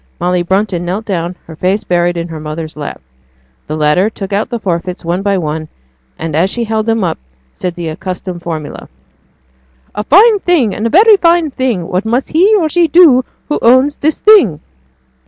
Molly Brunton knelt down, her face buried in her mother's lap; the latter took out the forfeits one by one, and as she held them up, said the accustomed formula, 'A fine thing and a very fine thing, what must he (or she) do who owns this thing.'